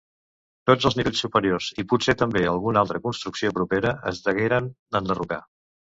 Tots els nivells superiors i potser també alguna altra construcció propera es degueren enderrocar.